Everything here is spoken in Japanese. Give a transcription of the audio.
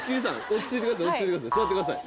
落ち着いてください